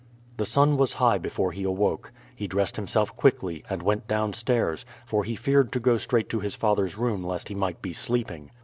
The sun was high before he awoke. He dressed himself quickly and went downstairs, for he feared to go straight to his father's room lest he might be sleeping.